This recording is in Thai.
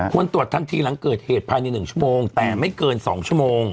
ควรตรวจทันทีหลังเกิดเหตุภายใน๑ชั่วโมงแต่ไม่เกิน๒ชั่วโมง